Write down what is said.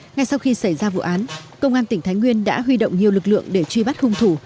ngay sau khi xảy ra vụ án công an tỉnh thái nguyên đã huy động nhiều lực lượng để truy bắt hung thủ